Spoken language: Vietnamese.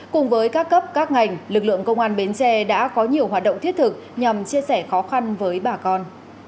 cùng với các cấp các ngành lực lượng công an bến tre đã có nhiều hoạt động thiết thực nhằm chia sẻ khó khăn với bà con